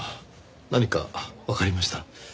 何かわかりました？